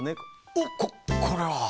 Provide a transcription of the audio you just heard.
おっここれは。